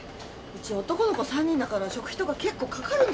うち男の子３人だから食費とか結構掛かるんですよ。